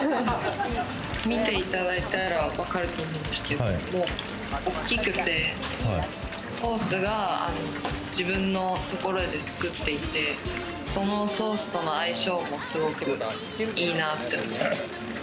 見ていただいたらわかると思うんですけども、大きくて、ソースが自分のところで作っていて、そのソースとの相性もすごくいいなって思います。